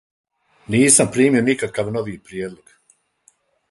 Нисам примио никакав нови приједлог.